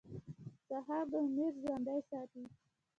سهار د امید ژوندی ساتي.